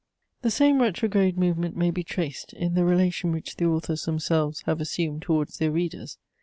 The same retrograde movement may be traced, in the relation which the authors themselves have assumed towards their readers.